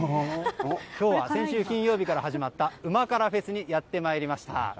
今日は先週金曜日から始まった旨辛ＦＥＳにやってまいりました。